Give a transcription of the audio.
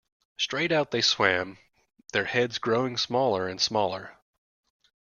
Straight out they swam, their heads growing smaller and smaller.